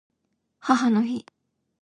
母の日